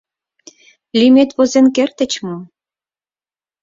Лӱмет возен кертыч мо?